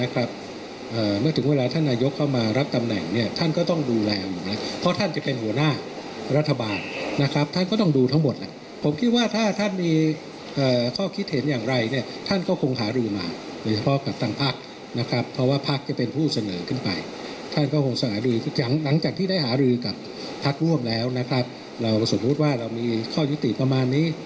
ภักร่วมแล้วนะครับสมมุติว่าเรามีข้อยุติประมาณนี้